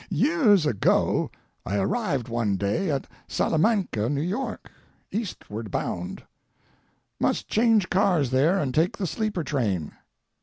Years ago I arrived one day at Salamanca, New York, eastward bound; must change cars there and take the sleeper train.